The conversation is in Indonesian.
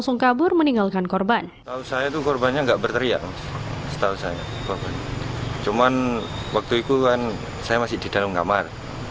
cuman waktu itu kan saya masih di dalam kamar